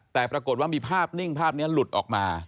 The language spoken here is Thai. แต่ปรากฏว่ามีภาพนิ่งภาพนี้หลุดออกมา